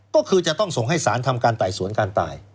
ก็คือจะต้องส่งให้สารทำการไต่สวนการตาย